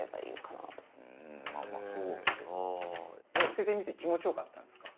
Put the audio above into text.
捨ててみて気持ち良かったんですか？